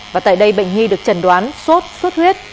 và tại đây bệnh nhi được trần đoán sốt xuất huyết